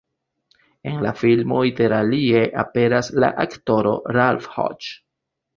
En la filmo interalie aperas la aktoro Ralph Hodges.